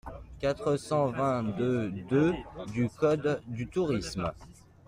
quatre cent vingt-deux-deux du code du tourisme.